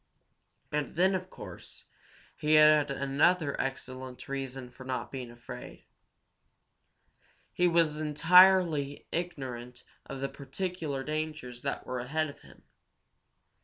And then, of course, he had another excellent reason for not being afraid. He was entirely ignorant of the particular dangers that were ahead of him.